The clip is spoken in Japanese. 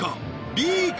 Ｂか？